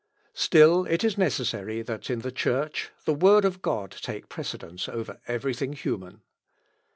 Still it is necessary that in the Church the Word of God take precedence of every thing human.